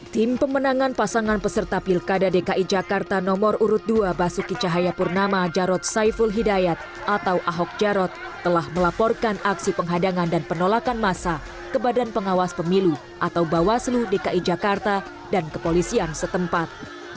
tim pemenangan pasangan peserta pilkada dki jakarta nomor urut dua basuki cahayapurnama jarod saiful hidayat atau ahok jarot telah melaporkan aksi penghadangan dan penolakan masa ke badan pengawas pemilu atau bawaslu dki jakarta dan kepolisian setempat